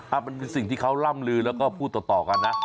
มันเป็นสิ่งที่เขาร่ำลือแล้วก็พูดต่อกันนะ